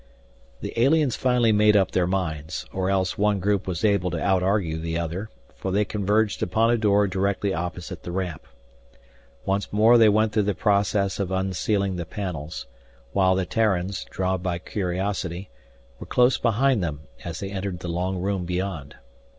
The aliens finally made up their minds, or else one group was able to outargue the other, for they converged upon a door directly opposite the ramp. Once more they went through the process of unsealing the panels, while the Terrans, drawn by curiosity, were close behind them as they entered the long room beyond.